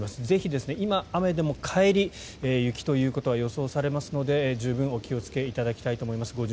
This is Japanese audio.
ぜひ今、雨でも帰りは雪ということが予想されますので十分お気をつけいただきたいと思います。